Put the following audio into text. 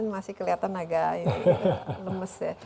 masih kelihatan agak lemes ya